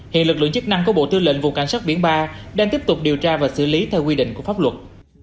hiện lực lượng chức năng của bộ tư lệnh vùng cảnh sát biển ba đang tiếp tục điều tra và xử lý theo quy định của pháp luật